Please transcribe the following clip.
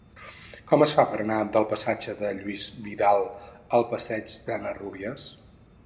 Com es fa per anar del passatge de Lluïsa Vidal al passeig d'Anna Rúbies?